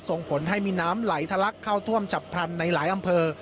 ส่งผลให้มีน้ำไหลทะลักเข้าท่วมฉับพลันในหลายอำเภอ